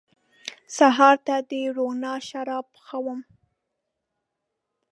سهار ته د روڼا شراب پخوم